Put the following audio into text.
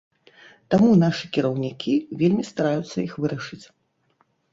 Таму нашы кіраўнікі вельмі стараюцца іх вырашыць.